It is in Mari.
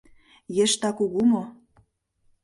— Ешда кугу мо?